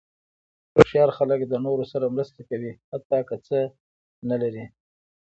هوښیار خلک د نورو سره مرسته کوي، حتی که څه نه لري.